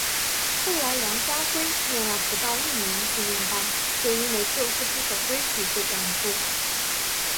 后来梁家辉念了不到一年训练班就因为做事不守规矩被赶出。